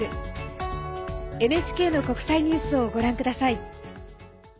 ＮＨＫの国際ニュースをご覧ください。